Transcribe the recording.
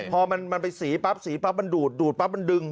พอมันไปสีปั๊บสีปั๊บมันดูดดูดปั๊บมันดึง